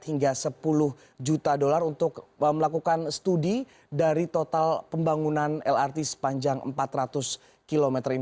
hingga sepuluh juta dolar untuk melakukan studi dari total pembangunan lrt sepanjang empat ratus km ini